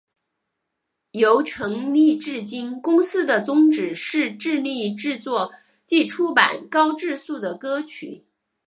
由成立至今公司的宗旨是致力制作及出版高质素的歌曲。